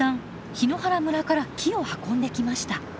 檜原村から木を運んできました。